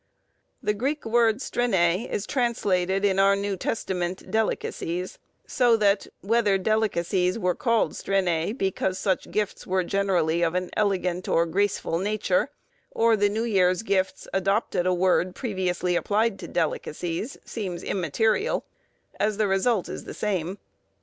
The Greek word strenæ, is translated in our New Testament, delicacies; so that, whether delicacies were called strenæ because such gifts were generally of an elegant or graceful nature, or the New Year's Gifts adopted a word previously applied to delicacies, seems immaterial, as the result is the same.